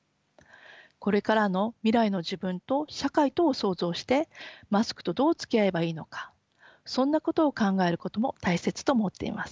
これからの未来の自分と社会とを想像してマスクとどうつきあえばいいのかそんなことを考えることも大切と思っています。